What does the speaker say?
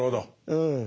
うん。